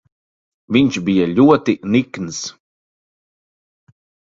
Viņš bija ļoti nikns.